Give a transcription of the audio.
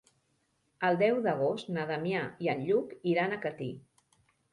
El deu d'agost na Damià i en Lluc iran a Catí.